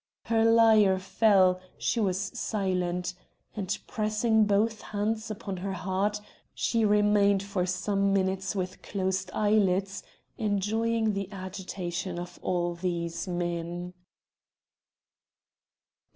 Her lyre fell, she was silent; and, pressing both hands upon her heart, she remained for some minutes with closed eyelids enjoying the agitation of all these men.